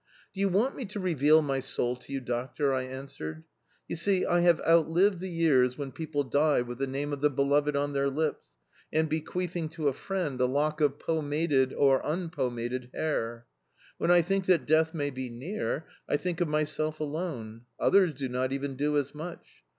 "Do you want me to reveal my soul to you, doctor?" I answered... "You see, I have outlived the years when people die with the name of the beloved on their lips and bequeathing to a friend a lock of pomaded or unpomaded hair. When I think that death may be near, I think of myself alone; others do not even do as much.